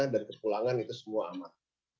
dan ke pulangan itu semua aman